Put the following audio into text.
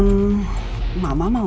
mama mau ngobrol aja sama putri